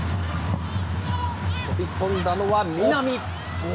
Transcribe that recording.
飛び込んだのは南。